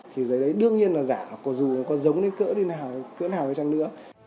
thì giấy đấy đương nhiên là giả dù có giống đến cỡ nào hay chăng nữa